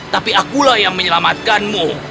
tapi akulah yang menyelamatkanmu